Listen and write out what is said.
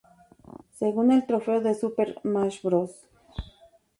Según el trofeo de Super Smash Bros.